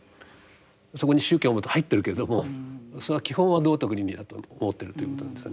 そこに宗教も入ってるけれどもそれは基本は道徳・倫理だと思ってるということなんですよね。